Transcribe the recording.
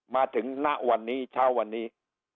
มาถึงหน้าวันนี้เช้าวันนี้